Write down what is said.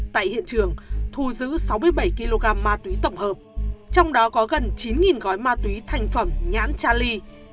tại hiện trường thu giữ sáu mươi bảy kg ma túy tổng hợp trong đó có gần chín gói ma túy thành phẩm nhãn cha ly